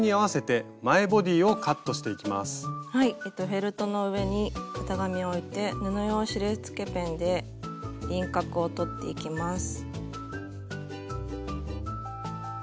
フェルトの上に型紙を置いて布用印つけペンで輪郭をとっていきます。